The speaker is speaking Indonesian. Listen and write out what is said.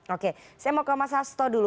oke saya mau ke mas hasto dulu